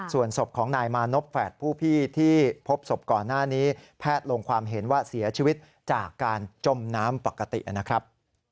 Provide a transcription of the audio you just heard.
ส่วนศพของนายมานพแฝดผู้พี่ที่พบศพก่อนหน้านี้แพทย์ลงความเห็นว่าเสียชีวิตจากการจมน้ำปกตินะครับ